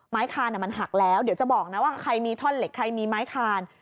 คานมันหักแล้วเดี๋ยวจะบอกนะว่าใครมีท่อนเหล็กใครมีไม้คาน